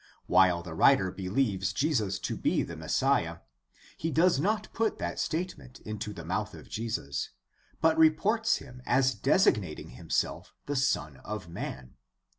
While the writer believes Jesus to be the Messiah, he does not put that statement into the mouth of Jesus, but reports him as designating himself the Son of Man.